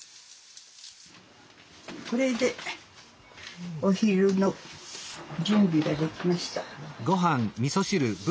これでお昼の準備ができました。